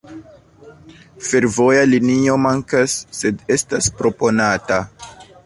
Fervoja linio mankas, sed estas proponata.